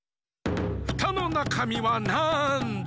フタのなかみはなんだ？